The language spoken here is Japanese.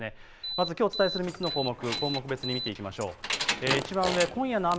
まずきょうお伝えする３つの項目、項目別に見ていきましょう。